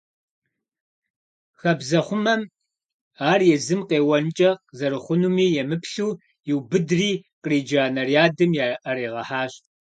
Хабзэхъумэм, ар езым къеуэнкӀэ зэрыхъунуми емыплъу, иубыдри, къриджа нарядым яӀэригъэхьащ.